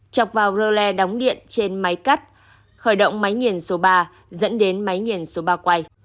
chọc vào role đóng điện trên máy cắt khởi động máy nghiền số ba dẫn đến máy nghiền số ba quay